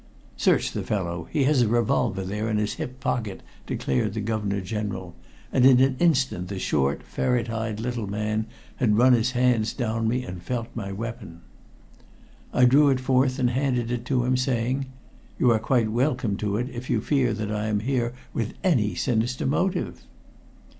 "Search the fellow. He has a revolver there in his hip pocket," declared the Governor General, and in an instant the short, ferret eyed little man had run his hands down me and felt my weapon. I drew it forth and handed it to him, saying: "You are quite welcome to it if you fear that I am here with any sinister motive."